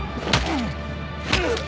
うっ。